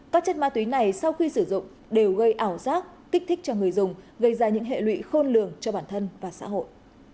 các chất ma túy này sau khi sử dụng đều gây ảo giác kích thích cho người dùng gây ra những hệ lụy khôn lường cho bản thân và xã hội